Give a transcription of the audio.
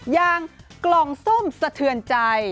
อย่างกล่องส้มสะเทือนใจ